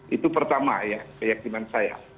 itu pertama ya keyakinan saya